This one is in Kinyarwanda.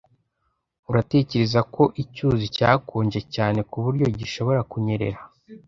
Uratekereza ko icyuzi cyakonje cyane kuburyo gishobora kunyerera?